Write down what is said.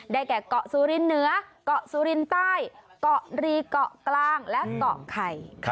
แก่เกาะสุรินเหนือเกาะสุรินใต้เกาะรีเกาะกลางและเกาะไข่